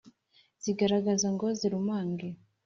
sigagaza ngo zirumange